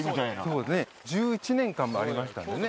そうですね１１年間もありましたんでね。